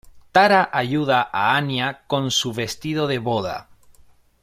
Tara ayuda a Anya con su vestido de boda.